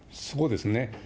そうですね。